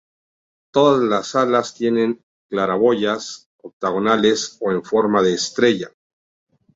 Todas las salas tienen claraboyas octogonales o en forma de estrella.